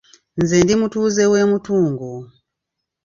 Nze ndi mutuuze w’e Mutungo.